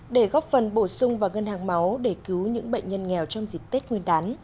để góp phần bổ sung vào ngân hàng máu để cứu những bệnh nhân nghèo trong dịp tết nguyên đán